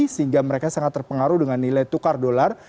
sehingga mereka sangat terpengaruh dengan nilai tukar dolar